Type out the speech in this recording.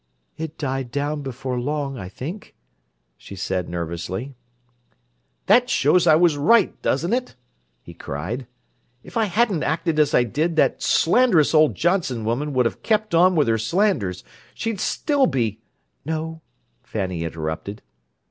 "It died down before long, I think," she said nervously. "That shows I was right, doesn't it?" he cried. "If I hadn't acted as I did, that slanderous old Johnson woman would have kept on with her slanders—she'd still be—" "No," Fanny interrupted.